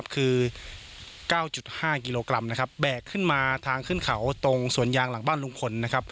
คือ๙๕กิโลกรัมนะครับแบกขึ้นมาทางขึ้นเขาตรงสวนยางหลังบ้านลุงพลนะครับ